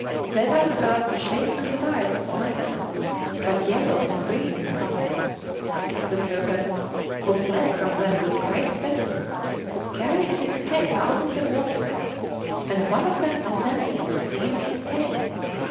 They were about the shape and size of mackerel, but yellow and green in colour. The serpent, who fled from them with great swiftness, carried his head out of the water, and one of them attempted to seize his tail.